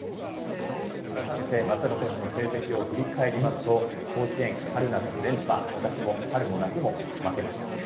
改めて松坂投手の成績を振り返りますと、甲子園春夏連覇、私も春も夏も負けました。